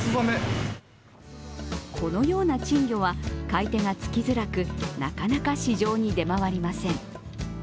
このような珍魚は、買い手がつきづらく、なかなか市場に出回りません。